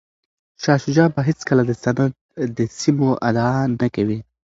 شاه شجاع به هیڅکله د سند د سیمو ادعا نه کوي.